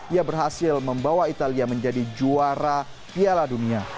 ia berhasil membawa italia menjadi juara piala dunia